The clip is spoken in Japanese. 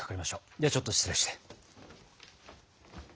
ではちょっと失礼して。